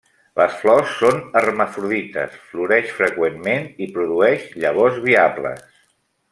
Les flors són hermafrodites; floreix freqüentment i produeix llavors viables.